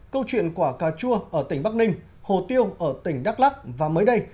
câu chuyện quả cà chua ở tỉnh bắc ninh hồ tiêu ở tỉnh đắk lắc và mới đây